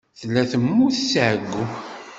Tella temmut si ɛeyyu.